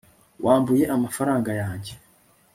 wambuye amafaranga yanjye